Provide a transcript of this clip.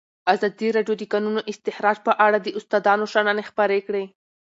ازادي راډیو د د کانونو استخراج په اړه د استادانو شننې خپرې کړي.